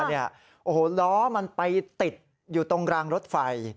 โอ้โหล้อมันไปติดอยู่ตรงรางรถไฟ